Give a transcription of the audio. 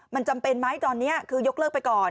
มันจำเป็นไหมตอนนี้คือยกเลิกไปก่อน